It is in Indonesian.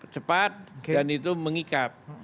cepat dan itu mengikat